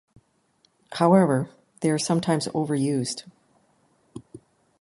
However, they are sometimes overused.